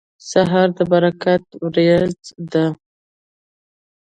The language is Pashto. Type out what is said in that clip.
سهار د برکت وریځ ده.